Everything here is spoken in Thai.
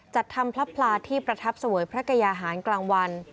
จัดทำพระพลาที่ประทับเสวยพระกยาหารกลางวัน